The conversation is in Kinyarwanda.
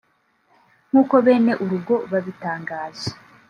nkuko bene urugo babitangaje